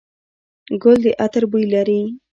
ګل د عطر بوی لري.